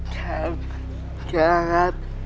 แทร่ครับ